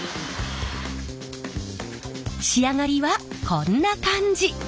仕上がりはこんな感じ。